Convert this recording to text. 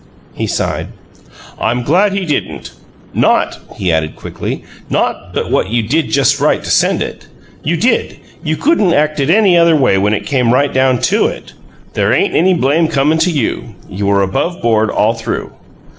He sighed. "I'm glad he didn't. Not," he added, quickly "not but what you did just right to send it. You did. You couldn't acted any other way when it came right down TO it. There ain't any blame comin' to you you were above board all through."